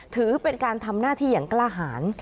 ถือเป็นการทำหน้าที่อย่างกล้าหาร